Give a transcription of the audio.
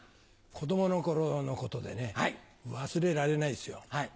子供の頃のことでね忘れられないですよ。